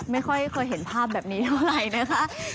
ไม่ค่อยเคยเห็นภาพแบบนี้เท่าไหร่นะคะ